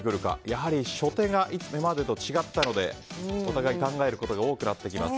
やはり初手が今までと違ったのでお互い、考えることが多くなってきます。